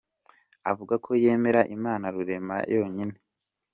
Avuga ko yemera Imana Rurema yonyine, kandi agasaba abantu kudaha agaciro ibidafite umumaro.